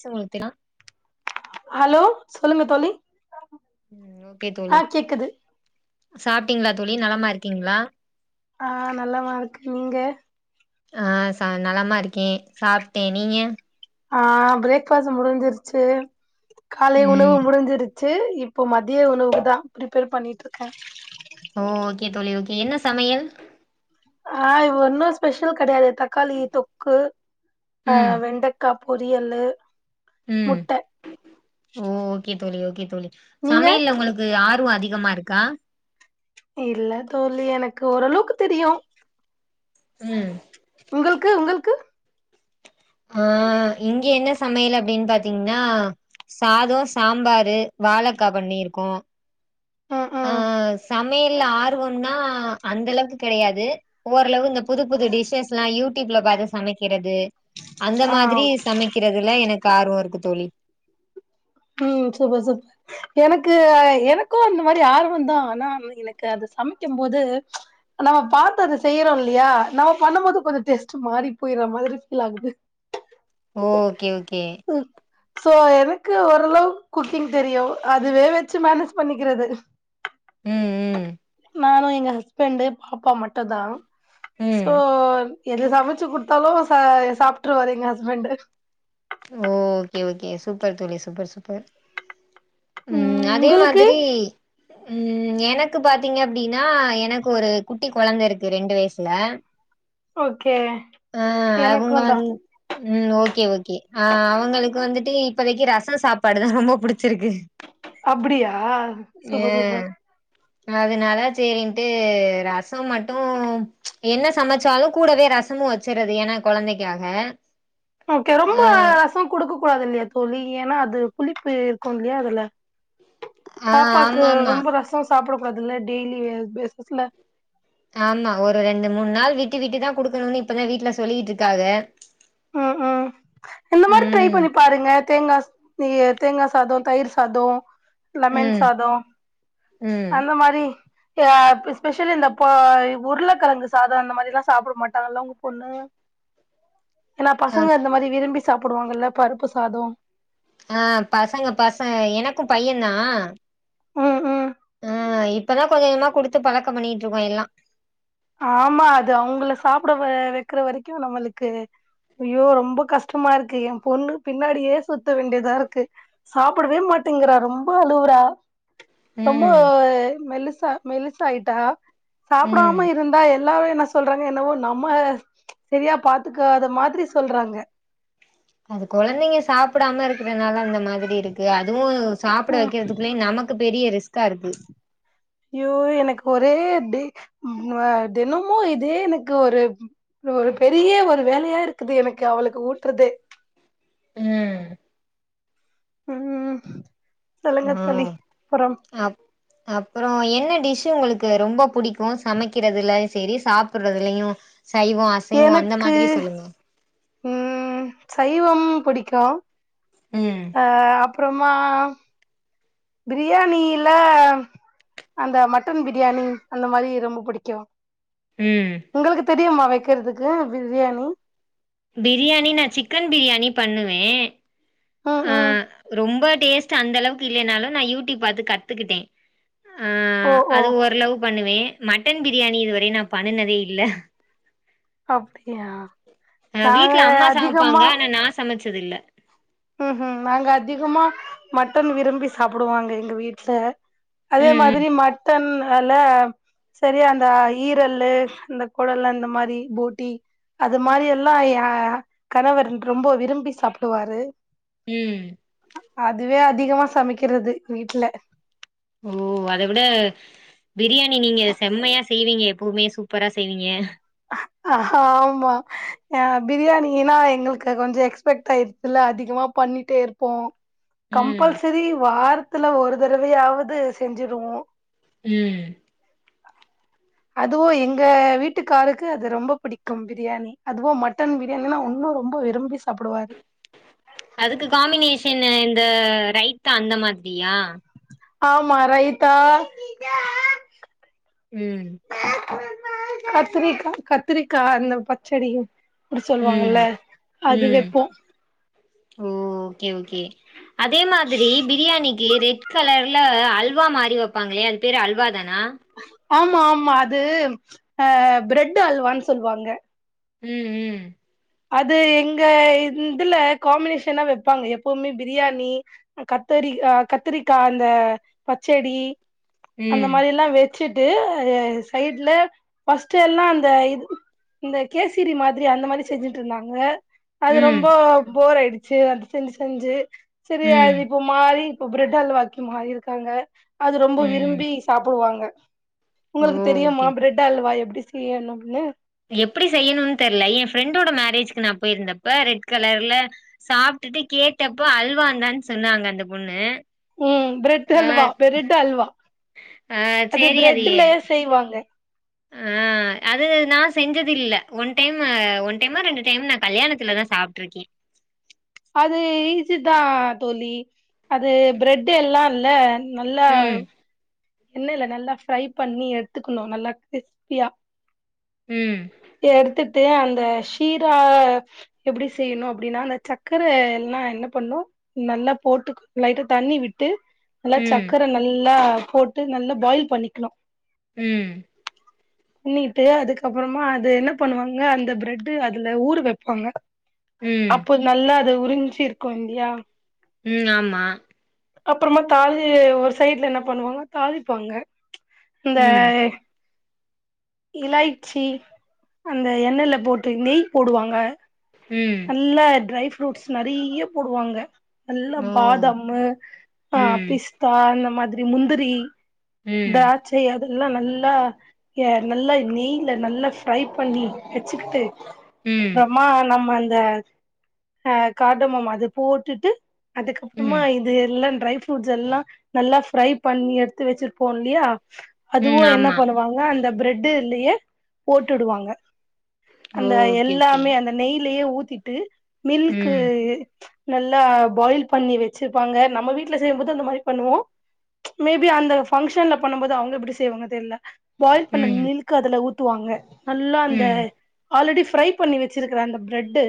சு முத்தினா [unintelligible] அலோ சொல்லுங்க தோழி ஓகே ஆ தோழி கேக்குது சாப்ட்டீங்களா தோழி நலமா இருக்கீங்களா ஆ நல்லமார்க்கே நீங்க ஆ ச நலமாருக்கே சாப்டே நீங்க ஆ ப்ரேக்ஃபாஸ்ட் முடிஞ்சிருச்சு காலை உணவு ம் முடிஞ்சிர் ச்சு இப்ப மதிய உணவுக்கு த்தா ப்ரிபேர் பண்ணிட்டுருக்கே ஓ ஓகே தோழி ஓகே என்ன சமையல் ஆ ஒண்ணும் ஸ்பெஷல் கெடையாது தக்காளி தொக்கு ஆ ம் வெண்டக் கா பொரியலு ம் முட்ட ஓ ஓகே தோழி ஓகே தோழி நீங்க சமையல்ல உங்களுக்கு ஆர்வோ அதிகமாருக்கா இல்ல தோழி எனக்கு ஓரளவுக்கு தெரியு ம் உங்களுக்கு உங்களுக்கு ஆ இங்க என்ன சமையல் அப்டின்னு பாத்தீங்கன்னா சாதோ சாம்பாரு வாழக்கா பண்ணிருக்கோ ம் ஆ ம் சமையல்ல ஆர்வம்னா அந்த அளவுக்கு கெடையாது ஓரளவு ந்த புது புது டிஷஸ்லாம் யூடியூப்ல பாத்து சமக்கிறது அந்த ஆ மாதிரி சமக்கிறதுல எனக்கு ஆர்வோ இருக்கு தோழி ம் சூப்பர் சூப்பர் எனக்கு எனக்கும் இந்த மாதிரி ஆர்வோ தா ஆனா எனக்கு அது சமெக்கும் போது நா பாத்து அத செய்றோம் இல்லயா நம்ம பண்ணும் போது கொஞ்ச டேஸ்ட் மாறி போயற மாதிரி ஃபீல் ஆகுது ஓ ஓகே ஓகே ம் சோ எனக் கு ஓரளவு குக்கிங் தெரியு அதுவே வச்சு மேனேஜ் பண்ணிக்கிறது ம் ம் நானு எங்க ஹஸ்பண்ட்டு பாப்பா மட்டுந்தா ம் சோ எது சமெச்சு குடுத்தாலு சா சாப்ட்ருவாரு எங்க ஹஸ்பெண்ட்டு ஓ ஓகே ஓகே சூப்பர் தோழி சூப்பர் சூப்பர் ம் உம் அதே உங்களுக்கு மாதிரி ம் எனக்கு பாத்தீங்க அப்டின்னா எனக்கு ஒரு குட்டி கொழந்தருக்கு ரெண்டு வயசுல ஓகே ஆ அவுங்க எனக்குந்தா வந் ம் ஓகே ஓகே ஆ அவ்ங்களுக்கு வந்துட்டு இப்பதைக்கு ரசோம் சாப்பாடு தான் ரொம்ப புடிச்சிருக்கு அப்டியா சூப்பர் சூப்பர் ஏயே அதுனால சேரின்ட்டு ரசோ மட்டும் என்ன சமச்சாலு கூடவே ரஸ் மும் வச்சர்றது ஏன்னா கொழந்தைக்காக ஓகே ரொம்ப ஆ ரசோ குடுக்க கூடாது இல்லையா தோழி ஏனா அது புளிப்பிருக்கும் இல்லையா அதுல ஆ பாப்பாக்கு ஆமாமா ரொம்போ ரசோம் சாப்டக்கூடாதுல்ல டெய்லி பேசிஸ்ல ஆமா ஒரு ரெண்டு மூணு நாள் விட்டு விட்டு தா குடுக்கணுனு இப்பதான் வீட்ல சொல்லிட்டுருக்காக ம் ம் இந்த மாரி ட்ரை ம் பண்ணி பாருங்க தேங்கா இ தேங்கா சாதோ தயிர் சாதோ லெமன் ம் சாதோ ம் அந்த மாரி அ ஸ்பெஷலி இந்த உருளக்கிழங்கு சாதம் அந்த மாதிரில்லா சாப்ட மாட்டாங்கள உங்க பொண்ணு ஏன்னா அ பசங்க இந்த மாரி விரும்பி சாப்பிடுவாங்கல்ல பருப்பு சாதம் ஆ பசங்க பசங்க எனக்கும் பையன் தான் ம் ம் ஆ இப்பதா கொஞ்ச கொஞ்சமா குடுத்து பழக்கம் பண்ணிட்ருக்கோ எல்லா ஆமா அது அவுங்கள சாப்புட வ வைக்கிற வரைக்கும் நம்மளுக்கு அய்யோ ரொம்பக் கஷ்டமா இருக்கு என் பொண்ணு பின்னாடியே சுத்த வேண்டியதா இருக்கு சாப்படவே மாட்டேங்குறா ரொம்ப அழுவுரா ரொம்ப ம் மெலிசா மெலிசா ஆயிட்டா ம் சாப்டாம இரு எல்லாரும் என்ன சொல்றாங்க என்னவோ நம்ம சரியா பாத்துக்காத மாதிரி சொல்றாங்க அது கொழந்தைங்க சாப்புடாம இருக்குறனால அந்த மாதிரி இருக்கு அதுவும் சாப்பிட ம் வைக்கிறதுகுள்ளயே நமக்கு பெரிய ரிஸ்க்கா இருக்கு அய்யோ எனக்கு ஒரே தினமும் இதே எனக்கு ஒரு ஒரு பெரிய ஒரு வேலையா இருக்குது எனக்கு அவளுக்கு ஊட்டுறதே உம் உம் ஆ அப் அப்புறோம் என்ன டிஷ்ஷு உங்களுக்கு ரொம்ப புடிக்கும் சமைக்கிறதுலயும் செரி சாப்படுறதுலயும் சைவம் அ எனக்கு உம் சைவம் பிடிக்கும் உம் ஆ அப்றமா பிரியாணியில அந்த மட்டன் பிரியாணி அந்த மாரி ரொம்ப பிடிக்கும் ம் உங்களுக்கு தெரியுமா வைக்கிறதுக்கு பிரியாணி பிரியாணி நா சிக்கன் பிரியாணி பண்ணுவேன் ம் ஆ ம் ரொம்ப டேஸ்ட் ட்டு அந்த அளவுக்கு இல்லனாலும் நா யூடியூப் பாத்து கத்துக்கிட்டேன் ஆ ஓ ஓ அது ஓரளவு பண்ணுவேன் மட்டன் பிரியாணி இதுவரையு நா பண்ணுனதே இல்ல அப்டியா அ நாங்க வீட்ல அம்மா சமைப்பாங்க அதிகமா ஆனா நா சமச்சதில்ல ம்ஹும் நாங்க அதிகமா மட்டன் விரும்பி சாப்புடுவாங்க எங்க வீட்டுல அதே ம் மாதிரி மட்டன் அல சரி அந்த ஈரலு இந்த கொடல் அந்த மாரி போட்டி அது மாரி எல்லா என் கணவர் ரொம்ப விரும்பி சாப்டுவாரு உம் அதுவே அதிகமா சமைக்கிறது வீட்ல ஓ அத விட பிரியாணி நீங்க செம்மையா செய்வீங்க எப்பவுமே சூப்பரா செய்வீங்க அ ஆமா பிரியாணினா எங்களுக்கு கொஞ்சம் எக்ஸ்பெக்ட் ஆயிருச்ச இல்ல அதிகமா பண்ணிட்டே இருப்போம் ம் கம்பல்சரி வாரத்துல ஒரு தடவையாவது செஞ்சுருவோ உம் அதுவு எங்க வீட்டுக்காருக்கு அது ரொம்ப பிடிக்கும் பிரியாணி அதுவும் மட்டன் பிரி என்னா ஒன்னு ரொம்ப விரும்பி சாப்டுவாரு அதுக்கு காம்பினேஷன்னு இந்த ரைத்தா அந்த மாதிரியா ஆமா ரைத்தா ம் கத்திரிக்கா கத்திரிக்கா அந்த பச்சடி அப்டி ம் சொல்வாங்கல அது ம் வைப்போ ஓ ஓகே ஓகே அதே மாதிரி பிரியாணிக்கு ரெட் கலர்ல அல்வா மாறி வப்பாங்களே அது பேரு அல்வா தானா ஆமா ஆமா அது ஆ பிரெட்டு அல்வானு சொல்வாங்க ம் ம் அது எங்க இதுல காம்மினேஷனா வைப்பாங்க எப்பவுமே பிரியாணி கத்தரி் அ கத்திரிக்காய் அந்த பச்சடி அந்த ம் மாரியெல்லா வே ச்சுட்டு சைட்ல பஸ்ட்டு எல்லா அந்த இது இந்த கேசிரி மாதிரி அந்த மாரி செஞ்சுட்டு இருந்தாங்க அது ம் ரொம்ப போர் ஆயிடுச்சு அது செஞ்சு செஞ்சு செரி அது ம் இப்ப மாறி இப்ப பிரெட் அல்வாக்கே மாறி இருக்காங்க அது ரொம்ப ம் விரும்பி சாப்பிடுவாங்க ஓ உங்களுக்கு தெரியுமா ஓகே ஓகே பிரெட் அல்வா எப்டி செய்யனு அப்டின்னு எப்டி செய்யணும்னு தெரியல என் ஃப்ரெண்டோட மேரேஜ்கு நா போயிருந்தப்ப ரெட் கலர்ல சாப்டுட்டு கேட்டப்ப அல்வாந்தான் சொன்னாங்க அந்த பொண்ணு ம் பிரெட் ஆ அல்வா பிரெட் அல்வா ஆ அது பிரெட்லயே செய்வாங்க அ அது நான் செஞ்சது இல்லை ஒன் டைம் ஒன் டைமா ரெண்டு டைம் நான் கல்யாணத்துலதா சாப்பிட்டு இருக்கே அது ஈஸி தா தோழி அது பிரெட் எல்லா இல்ல நல்லா ம், என்னைல நல்லா பிரை பண்ணி எடுத்துக்கணு நல்லா கிறிஸ்பியா ம் எடுத்துட்டு அந்த ஷீரா எப்டி செய்யணு அப்டின்னா அந்த சக்கர எல்லா என்ன பண்ணு நல்லா போட்டு லைட்டா தண்ணி விட்டு நல்லா ம், சர்க்கரை நல்லா போட்டு நல்லா பாயில் பண்ணிக்கணும் ம் பண்ணிட்டு அதுக்கப்புறமா அது என்ன பண்ணுவாங்க அந்த பிரெட்டு அதுல ஊரு வைப்பாங்க ம், அப்போ நல்லா அத உறிஞ்சிருக்கு இல்லையா ம் ஆமா அப்புறமா தாலி ஒரு சைட்ல என்ன பண்ணுவாங்க தாலிப்பாங்க இந்த ம், இழய்ச்சி அந்த எண்ணெய்ல போட்டு நெய் போடுவாங்க ம் நல்லா ட்ரை ஃப்ரூட்ஸ் நறைய போடுவாங்க நல்ல ஓ! பாதம்மு ஆ ம், பிஸ்தா இந்த மாதிரி முந்திரி ம், திராட்சை அதெல்லா நல்லா எ நல்லா நெய்ல நல்லா ஃப்ரை பண்ணி வச்சுக்கிட்டு ம், மா நம்ம அந்த ஆ காதமம்மா அத போட்டுட்டு அதுக்கப்பறமா ம், இது எல்லா ட்ரை ப்ரூட்ஸ் எல்லாம் நல்லா பிரை பண்ணி எடுத்து வச்சிருப்போ இல்லையா ம். அதுவு என்ன ஆமா. பண்ணுவாங்க அந்த பிரெட்டு் இல்லயே போட்டுடுவாங்க ஓ! அந்த ஓகே, ஓகே. எல்லாமே அந்த நெய்லயே ஊத்திட்டு மில்க்கு ம், நல்லா பாயில் பண்ணி வச்சிருப்பாங்க நம்ம வீட்ல செய்யுபோது அந்த மாரி பண்ணுவோ மேபி அந்த ஃபங்க்ஷன்ல பண்ணும்போது அவங்க எப்டி செய்வாங்க தெர்ல ப்ப ம், மில்க் அதுல ஊத்துவாங்க நல்லா அந்த ம், ஆல்ரெடி ஃபிரை பண்ணி வச்சிருக்கிற அந்த ப்ரெட்டு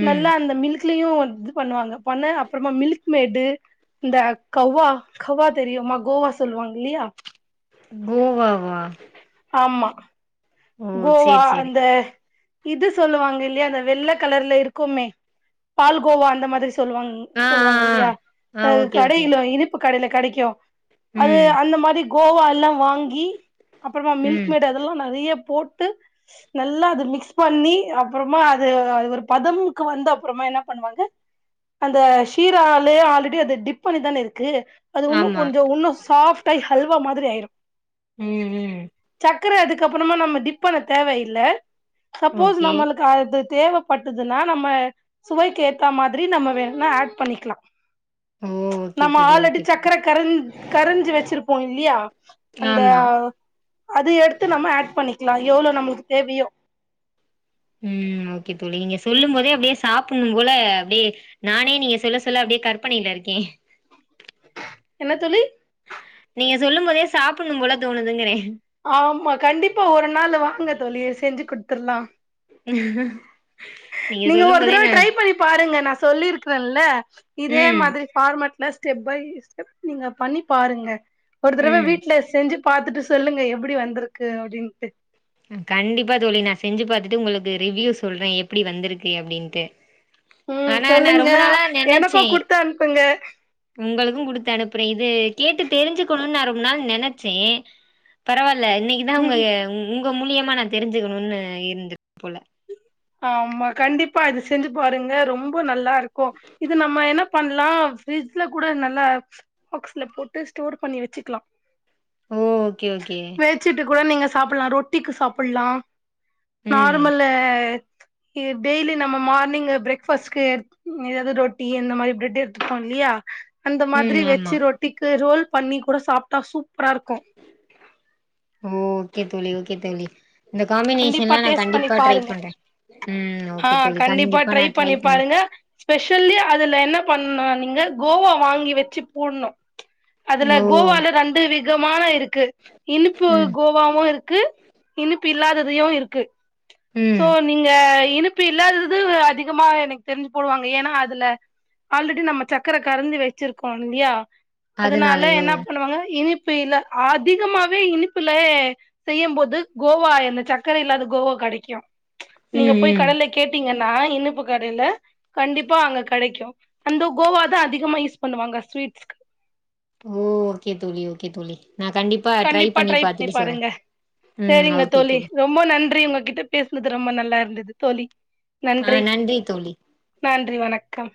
ம். நல்லா அந்த மில்க் லயு இது பண்ணுவாங்க பண்ண அப்றமா மில்க் மேடு இந்த கவ்வா கவ்வா தெரியுமா கோவா சொல்லுவாங்க இல்லையா கோவா வா ஆமா கோவா சரி, சரி. அந்த இது சொல்லுவாங்க இல்லையா அந்த வெள்ள கலர்ல இருக்குமே பால்கோவா அந்த மாதிரி சொல்லுவாங்க ஆ, ஆ, சொல்லுவாங்க இல்லையா ஆ. ஆ அது ஓகே, ஓகே. கடையிலு இனிப் கடைல கெடைக்கு அது ம், அந்த மாரி கோவால்லா வாங்கி அப்புறமா மில்க் ம். மேட் அதெல்லா நெறைய போட்டு நல்லா அது மிக்ஸ் பண்ணி அப்றமா அது அது ஒரு பதம்க்கு வந்து அப்றமா என்ன பண்ணுவாங்க அந்த ஷீராலே ஆல்ரெடி அத டிப் பண்ணிதான இருக்கு அது உன்னு ஆமா. கொஞ்சம் உன்னு சாஃப்டாயி ஹல்வா மாதிரி ஆயிரு ம் ம் சக்கர அதுக்குப்புறமா நம்ம டிப்பண்ண தேவ இல்ல சப்போஸ் ஓகே. நம்மளுக்கு அது தேவப் பட்டுதுன்னா நம்ம சுவைக்கு ஏத்த மாதிரி நம்ம வேணுனா ஆட் பண்ணிக்கலா ஓ! ஓகே நம்ம தோழி, ஆல்ரெடி ஓகே தோழி. சக்கர கரன் கரஞ்சி வச்சிருப்போ இல்லயா அந்த ஆமா. அது எடுத்து நம்ம ஆட் பண்ணிக்கலா எவ்ளோ நமளுக் தேவையோ ம் ஓகே தோழி நீங்க சொல்லும் போதே அப்டியே சாப்பணு போல அப்டியே நானே நீங்க சொல்ல சொல்ல அப்டியே கற்பனைல இருக்கே என்ன தோழி நீங்க சொல்லும் போதே சாப்புட்ணும் போல தோணுதிங்கிறே ஆமா கண்டிப்பா ஒரு நாள் வாங்க தோழி செஞ்சு குடுத்துட்லா நீங்க சொல்லும் ஒரு போதே தடவை நா ட்ரை பண்ணி பாருங்க நா சொல்லிருக்கே ல்ல இதே ம் மாதிரி ஃபார்மட்ல ஸ்டெப் பை ஸ்டெப் நீங்க பண்ணி பாருங்க ஒரு தடவை ம் வீட்ல செஞ்சு பாத்துட்டு சொல்லுங்க எப்புடி வந்திருக்கு அப்டின்ட்டு கண்டிப்பா தோழி நா செஞ்சு பாத்துட்டு உங்களுக்கு ரிவ்யூ சொல்றே எப்டி வந்திருக்கு அப்டின்ட்டு ம் ஆனா நா சொல்லுங்க ரொம்ப நாளா எனக்கு நெனச்சே குடுத்து அனுப்புங்க உங்களுக்கு கொடுத்து அனுப்புறே இது கேட்டு தெரிஞ்சுக்கணும்னு நா ரொம்ப நாள் நெனைச்சே பரவால்ல இன்னைக்குதா உங்க ம் உங்க மூலியமா நா தெரிஞ்சுக்கணும்னு இருந்துற்கு போல ஆமா கண்டிப்பா இது செஞ்சு பாருங்க ரொம்ப நல்லா இருக்கு இது நம்ம என்ன பண்ணலா ஃப்ரிட்ஜ்ல கூட நல்லா பாக்ஸ்ல போட்டு ஸ்டோர் பண்ணி வச்சுக்கலா ஓ ஓகே ஓகே தேச்சுட்டு கூட நீங்க சாப்பல்லா ரொட்டிக்கு சாப்பல்லா ம் நார்மல்லு இது டெய்லி நம்ம மார்னிங்கு ப்ரேக் ஃபாஸ்ட்கு எதாது ரொட்டி இந்த மாரி ப்ரெட் எடுத்துட்டோ இல்லையா அந்த மாதிரி ம் ஆமா வெச்சு ரொட்டிக்கு ரோல் பண்ணி கூட சாப்ட்டா சூப்ரா இருக்கு ஓ ஓகே தோழி ஓகே தோழி இந்த கண்டிப்பா காம்பினேஷன்லா நா டேஸ்ட் பண்ணி கண்டிப்பா ட்ரை பாருங்க பண்றே ம் ஓகே தோழி கண்டிப்பா நா ட்ரை பண்ணி ஸ்பெஷல்லி அதுல என்ன பண்னு நீங்க கோவா வாங்கி வச்சு போடுணு அதுல ஓ கோவால ரெண்டு விகமா இருக்கு இனிப்பு ம் கோவா கோவாவு இருக்கு இனிப்பு இல்லாததையு இருக்கு ம் சோ நீங்க இனிப்பு இல்லாதது அதிகமா எனக்கு தெரிஞ்சு போடுவாங்க ஏனா அதுல ஆல்ரெடி நம்ம சக்கர கறந்து வச்சிருக்கோ இல்லையா அதுனால அதனாலயோ என்ன பண்ணுவாங்க இனிப் ப்பு இல்ல அதிகமாவே இனிப்புல செய்யும்போது கோவா இந்த சக்கரை இல்லாத கோவா கெடைக்கு நீங்க ம் போய் ம் கடைல கேட்டீங்கன்னா இனிப்பு கடையில கண்டிப்பா அங்க கெடைக்கு அந்த கோவா தா அதிகமா யூஸ் பண்ணுவாங்க ஸ்வீட்ஸ்க்கு ஓ ஓகே தோழி ஓகே தோழி நா கண்டிப் கண்டிப்பா ட்ரை பண்ணி பாருங்க ம் செரிங்க ஓகே தோழி ரொம் ரொம்ப நன்றி உங்ககிட்ட பேசனது ரொம்ப நல்லா இருந்தது தோழி நன்றி ஆ தோழி நன்றி வணக்கம்